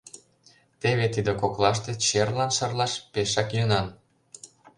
Теве тиде коклаште черлан шарлаш пешак йӧнан.